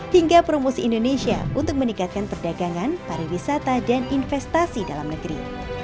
hingga promosi indonesia untuk meningkatkan perdagangan pariwisata dan investasi dalam negeri